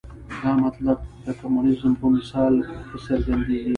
دا مطلب د کمونیزم په مثال ښه څرګندېږي.